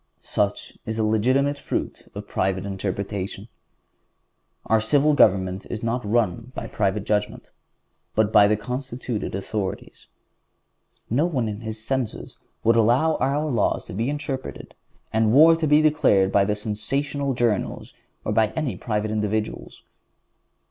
Such is the legitimate fruit of private interpretation! Our civil government is run not by private judgment, but by the constituted authorities. No one in his senses would allow our laws to be interpreted, and war to be declared by sensational journals, or by any private individuals.